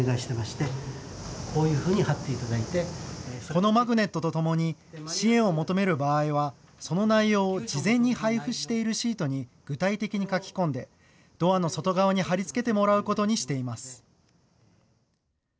このマグネットとともに支援を求める場合は、その内容を事前に配布しているシートに具体的に書き込んで、ドアの外側に貼り付けてもらうことにしています。